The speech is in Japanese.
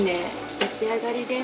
出来上がりです。